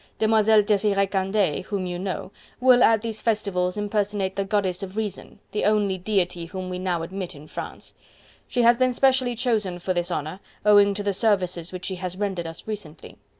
Demoiselle Desiree Candeille, whom you know, will at these festivals impersonate the Goddess of Reason, the only deity whom we admit now in France.... She has been specially chosen for this honour, owing to the services which she has rendered us recently...